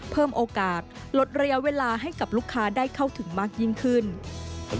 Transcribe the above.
เพิ่มโอกาสลดระยะเวลาให้กับลูกค้าได้เข้าถึงมากยิ่งขึ้น